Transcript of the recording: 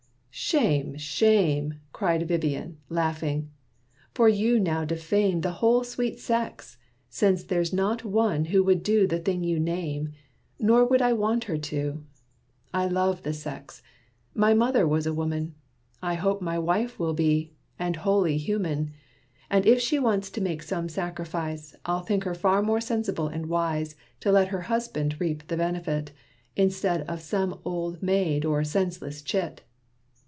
"Shame, shame!" Cried Vivian, laughing, "for you now defame The whole sweet sex; since there's not one would do The thing you name, nor would I want her to. I love the sex. My mother was a woman I hope my wife will be, and wholly human. And if she wants to make some sacrifice, I'll think her far more sensible and wise To let her husband reap the benefit, Instead of some old maid or senseless chit.